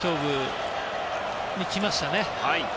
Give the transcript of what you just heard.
勝負にきましたね。